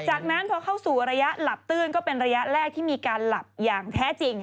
จากนั้นพอเข้าสู่ระยะหลับตื้นก็เป็นระยะแรกที่มีการหลับอย่างแท้จริง